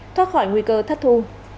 thoát khỏi nguy cơ thất thu